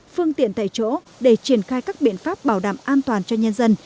phương tiện tại chỗ để triển khai các biện pháp bảo đảm an toàn cho nhân dân